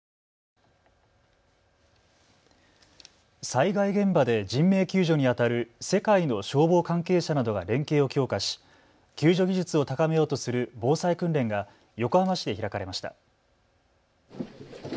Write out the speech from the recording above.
災害現場で人命救助にあたる世界の消防関係者などが連携を強化し救助技術を高めようとする防災訓練が横浜市で開かれました。